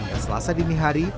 hingga selasa dini hari